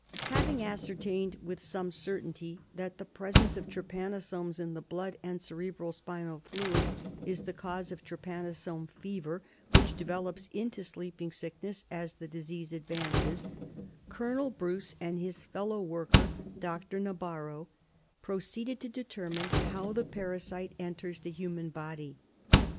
Having ascertained with some certainty that the presence of trypanosomes in the blood and cerebro spinal fluid is the cause of trypanosome fever, which develops into sleeping sickness as the disease advances, Colonel Bruce and his fellow worker, Dr. Nabarro, proceeded to determine how the parasite enters the human body.